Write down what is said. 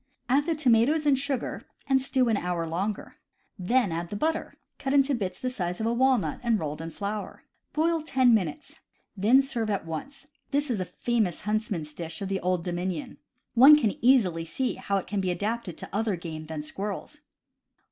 Add the tomatoes and sugar, and stew an hour longer. Then add the butter, cut into bits the size of a walnut and rolled in flour. Boil ten minutes. Then serve at once. This is a famous huntsman's dish of the Old Domin ion. One can easily see how it can be adapted to other game than squirrels.